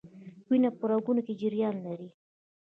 وینه په رګونو کې جریان لري